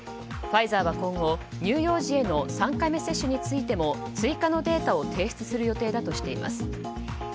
ファイザーは今後、乳幼児への３回目接種についても追加のデータを提出する予定だとしています。